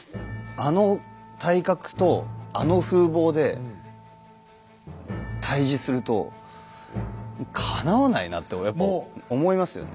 あの体格とあの風貌で対峙するとかなわないなってやっぱ思いますよね。